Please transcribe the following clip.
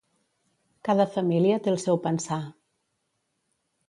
Cada família té el seu pensar.